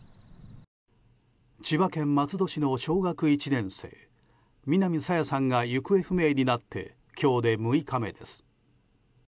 千葉県松戸市の小学１年生南朝芽さんが行方不明になって今日で６日目です。